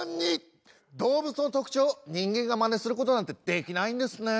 動物の特徴を人間がまねすることなんてできないんですね。